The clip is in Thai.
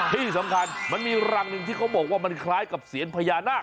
ที่สำคัญมันมีรังหนึ่งที่เขาบอกว่ามันคล้ายกับเสียญพญานาค